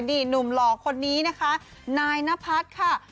หนุ่มหล่อคนนี้นะคะนายนพัดค่ะ